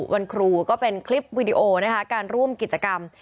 วันครูก็เป็นคลิปวิดีโอนะคะการร่วมกิจกรรม